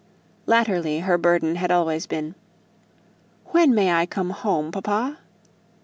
Latterly her burden had always been, "When may I come home, papa?"